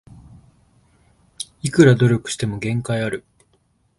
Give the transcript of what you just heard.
いくら努力しても限界ある